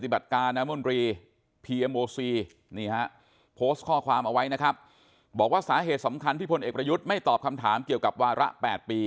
บอกว่าสาเหตุสำคัญที่พลเอกประยุทธไม่ตอบคำถามเกี่ยวกับวาระ๘ปี